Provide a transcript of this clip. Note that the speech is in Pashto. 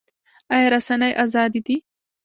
آیا رسنۍ ازادې دي؟